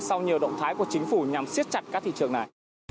sau nhiều động thái của chính phủ nhằm siết chặt các thị trường này